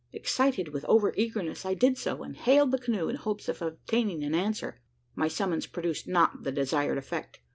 Excited with over eagerness, I did so; and hailed the canoe in hopes of obtaining an answer. My summons produced not the desired effect.